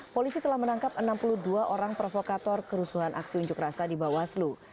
polisi telah menangkap enam puluh dua orang provokator kerusuhan aksi unjuk rasa di bawaslu